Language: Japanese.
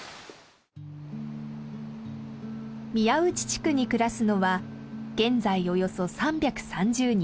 宮内地区に暮らすのは現在およそ３３０人。